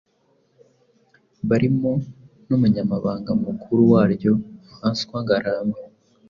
barimo n'umunyamabanga mukuru waryo François Ngarambe